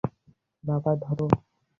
বাবা, ধর!